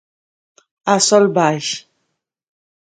A sol baix.